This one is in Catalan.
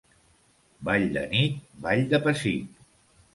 Ball de nit, ball de pessic.